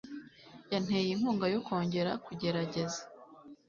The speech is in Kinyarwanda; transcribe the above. Yanteye inkunga yo kongera kugerageza.